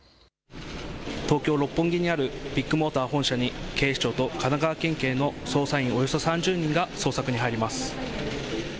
東京六本木にあるビッグモーター本社に警視庁と神奈川県警の捜査員およそ３０人が捜索に入ります。